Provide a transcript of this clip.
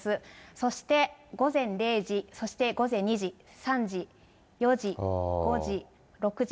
そして午前０時、そして午前２時、３時、４時、５時、６時。